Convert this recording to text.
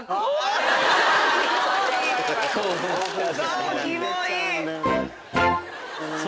顔キモい！